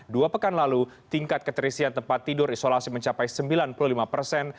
dua pekan lalu tingkat keterisian tempat tidur isolasi mencapai sembilan puluh lima persen